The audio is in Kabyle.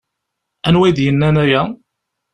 Anwa i d-yennan aya?